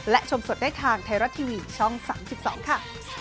และชมสดได้ทางไทยรัฐทีวีช่อง๓๒ค่ะ